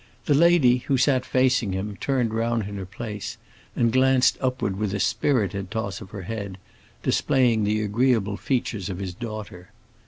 The lady, who sat facing him, turned round in her place and glanced upward with a spirited toss of her head, displaying the agreeable features of his daughter.